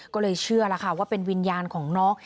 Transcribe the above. ก็เลยเชื่อว่าเป็นวิญญาณของน้อง